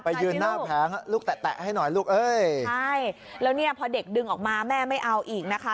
ยืนหน้าแผงลูกแตะให้หน่อยลูกเอ้ยใช่แล้วเนี่ยพอเด็กดึงออกมาแม่ไม่เอาอีกนะคะ